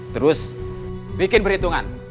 terus bikin perhitungan